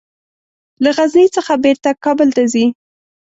له غزني څخه بیرته کابل ته ځي.